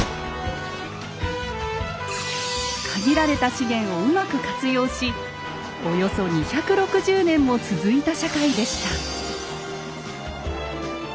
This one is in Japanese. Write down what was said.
限られた資源をうまく活用しおよそ２６０年も続いた社会でした。